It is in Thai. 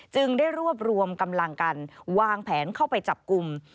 จึงได้รวบรวมกำลังกันวางแผนเข้าไปจับกลุ่ม